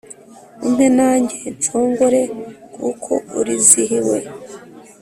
Umpe nanjye Nshongore kuko urizihiwe